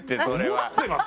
思ってます？